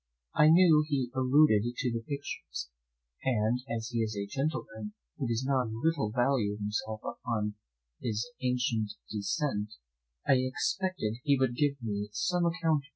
I knew he alluded to the pictures, and as he is a gentleman who does not a little value himself upon his ancient descent, I expected he would give me some account of them.